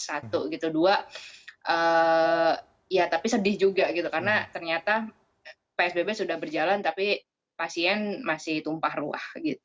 satu gitu dua ya tapi sedih juga gitu karena ternyata psbb sudah berjalan tapi pasien masih tumpah ruah